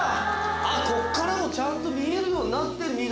ここからもちゃんと見えるようになってる緑。